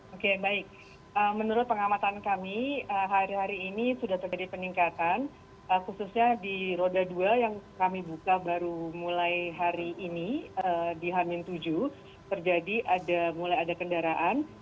oke baik menurut pengamatan kami hari hari ini sudah terjadi peningkatan khususnya di roda dua yang kami buka baru mulai hari ini di hamin tujuh terjadi mulai ada kendaraan